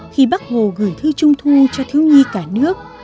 khi bắc hồ gửi thư trùng thu cho thiếu nhi cả nước